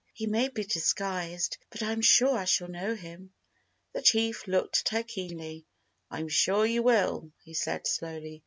He may be disguised, but I am sure I shall know him!" The chief looked at her keenly. "I'm sure you will," he said slowly.